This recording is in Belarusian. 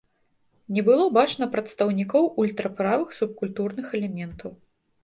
Не было бачна прадстаўнікоў ультраправых субкультурных элементаў.